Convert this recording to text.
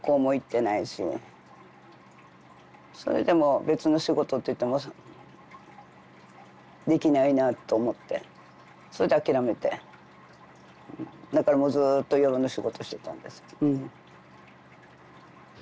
それでもう別の仕事っていってもできないなと思ってそれで諦めてだからもうずっと夜の仕事をしてたんですうん。